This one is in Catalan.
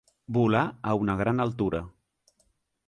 Volar a una gran altura.